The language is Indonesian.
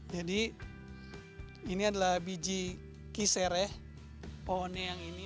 jadi ini adalah biji kisere pohonnya yang ini